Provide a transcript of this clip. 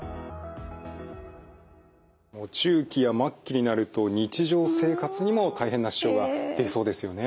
中期や末期になると日常生活にも大変な支障が出そうですよね。